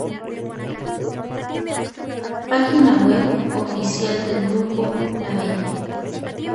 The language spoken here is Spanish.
Página web oficial del grupo LaBelle